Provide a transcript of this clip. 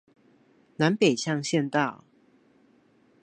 南北向縣道